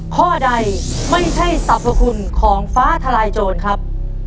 ข้อใดไม่ใช่สรรพคุณของฟ้าทลายโจรครับ